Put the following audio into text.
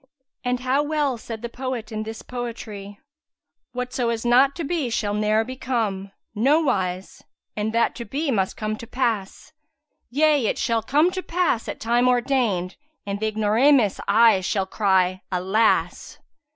And how well said the poet in this poetry, "Whatso is not to be shall ne'er become; * No wise! and that to be must come to pass; Yea it shall come to pass at time ordained, * And th' Ignoramus[FN#173] aye shall cry Alas!'"